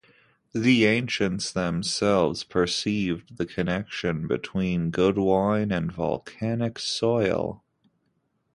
The ancients themselves perceived the connection between good wine and volcanic soil.